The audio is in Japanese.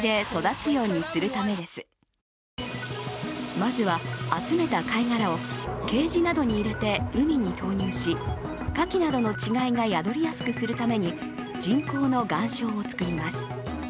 まずは集めた貝殻をケージなどに入れて海に投入しカキなどの稚貝が宿りやすくするために、人工の岩礁をつくります。